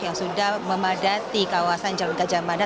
yang sudah memadati kawasan jalan gajah mada